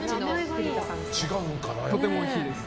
とてもおいしいです。